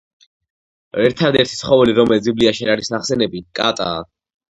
რთადერთი ცხოველი, რომელიც ბიბლიაში არ არის ნახსენები, კატაა.